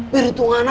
perhitungan apa nona